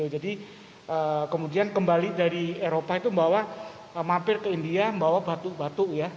jadi kemudian kembali dari eropa itu membawa mampir ke india membawa batu batu ya